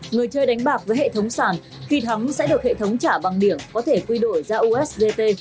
người chơi đánh bạc với hệ thống sàn thì thắng sẽ được hệ thống trả bằng điểm có thể quy đổi ra ustt